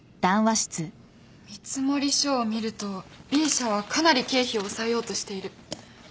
見積書を見るとＢ社はかなり経費を抑えようとしている。